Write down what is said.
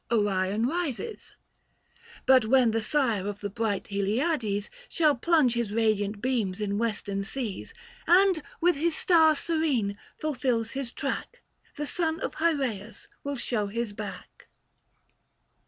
ORION PISES. But when the sire of the bright Heliades Shall plunge his radiant beams in Western seas, And, with his star serene, fulfills his track, The son of Hyreius will show his back.